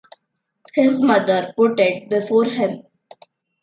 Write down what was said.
His mother put it before him.